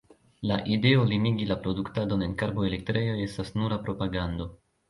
La ideo limigi la produktadon en karboelektrejoj estas nura propagando.